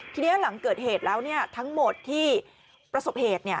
ทีนี้หลังเกิดเหตุแล้วทั้งหมดที่ประสบเหตุ